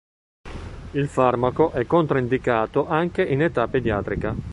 Il farmaco è controindicato anche in età pediatrica.